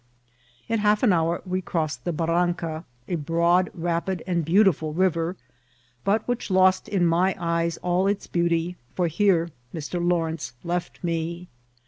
In half an hour we crossed the Barranca, a broad, rapid, and beautiful river, but which lost in my eyes all its beauty, for here Mr. Lawrence left me.